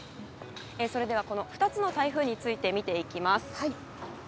それではこの２つの台風について見ていきます。